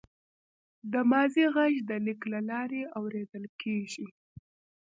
د ماضي غږ د لیک له لارې اورېدل کېږي.